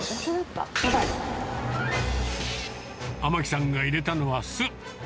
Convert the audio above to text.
天城さんが入れたのは酢。